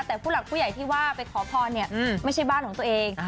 แต่ผู้หลักผู้ใหญ่ที่ว่าไปขอพรเนี่ยไม่ใช่บ้านของตัวเอง